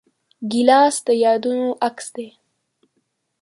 ګیلاس د یادونو عکس دی.